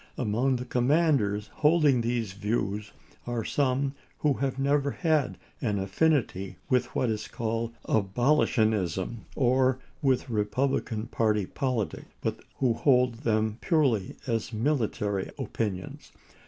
Among the commanders holding these views are some who have never had any affinity with what is called Abolitionism or with Republican party politics, but who hold them purely as military opinions.